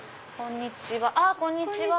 こんにちは。